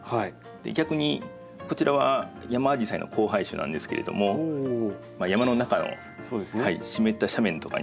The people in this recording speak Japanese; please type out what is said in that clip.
逆にこちらはヤマアジサイの交配種なんですけれども山の中の湿った斜面とかに。